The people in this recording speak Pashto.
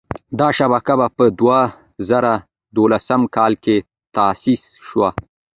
دا شبکه په دوه زره دولسم کال کې تاسیس شوه.